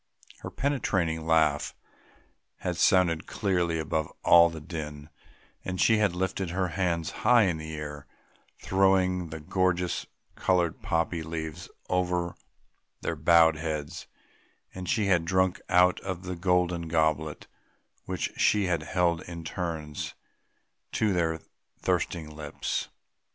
Her penetrating laugh had sounded clearly above all the din, and she had lifted her hands high in the air throwing the gorgeous coloured poppy leaves over their bowed heads; and she had drunk out of a golden goblet which she had held in turns to their thirsting lips.